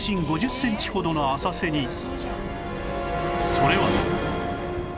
それは